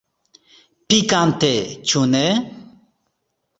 Pikante, ĉu ne?